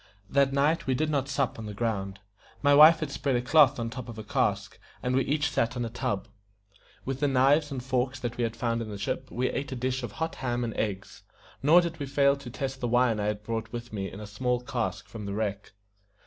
That night we did not sup on the ground. My wife had spread a cloth on the top of a cask, and we each sat on a tub. With the knives and forks that we had found in the ship we ate a dish of hot ham and eggs, nor did we fail to test the wine that I had brought with me in a small cask from the wreck.